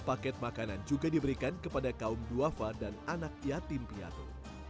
paket makanan juga diberikan kepada kaum duafa dan anak yatim piatu